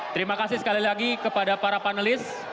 terima kasih sekali lagi kepada para panelis